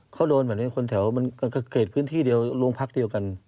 เขาโดนเหมือนเป็นคนแถวเกรดพื้นที่เดียวร่วงพักเดียวกัน